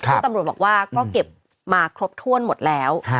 ซึ่งตำรวจบอกว่าก็เก็บมาครบถ้วนหมดแล้ว